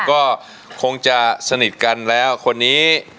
ก็คงจะสนิทกันแล้วคนนี้